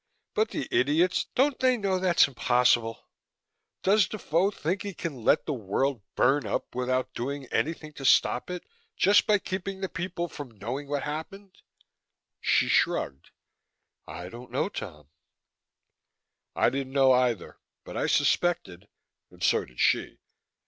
But the idiots, don't they know that's impossible? Does Defoe think he can let the world burn up without doing anything to stop it just by keeping the people from knowing what happened?" She shrugged. "I don't know, Tom." I didn't know either, but I suspected and so did she.